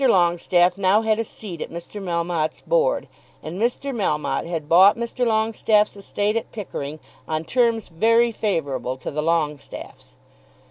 Longestaffe now had a seat at Mr. Melmotte's board. And Mr. Melmotte had bought Mr. Longestaffe's estate at Pickering on terms very favourable to the Longestaffes.